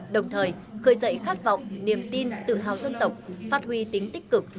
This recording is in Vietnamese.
đồng thời khởi dậy khát vọng niềm tin tự hào dân tộc phát huy tính tích cực